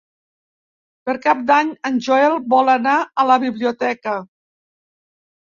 Per Cap d'Any en Joel vol anar a la biblioteca.